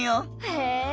へえ。